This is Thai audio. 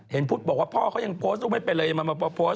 พุทธบอกว่าพ่อเขายังโพสต์ลูกไม่เป็นเลยยังมาโพสต์